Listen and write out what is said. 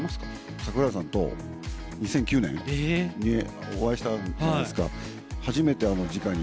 櫻井さん、２００９年にお会いしたじゃないですか？